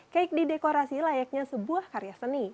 cake didekorasi layaknya sebuah karya seni